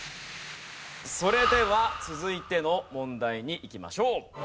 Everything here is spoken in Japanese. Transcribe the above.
それでは続いての問題にいきましょう。